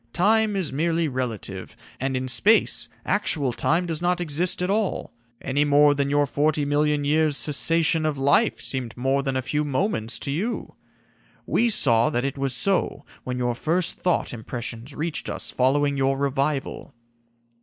Time is merely relative, and in space actual time does not exist at all, any more than your forty million years' cessation of life seemed more than a few moments to you. We saw that it was so when your first thought impressions reached us following your revival."